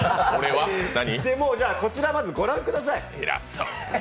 こちらをまず御覧ください。